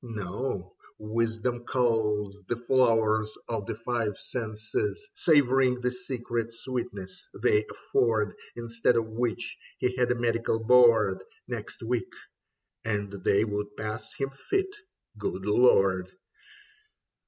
No, wisdom culls the flowers of the five senses, Savouring the secret sweetness they afford : Instead of which he had a Medical Board Next week, and they would pass him fit. Good Lord